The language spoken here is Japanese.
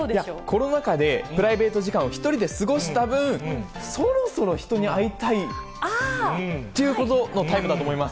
コロナ禍でプライベート時間を１人で過ごした分、そろそろ人ああ！っていうことのタイプだと思います。